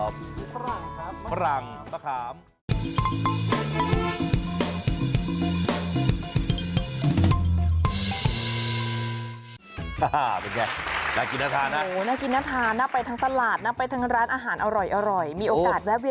ฝรั่งครับมะขามฝรั่งมะขาม